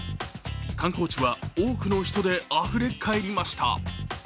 観光地は多くの人であふれかえりました。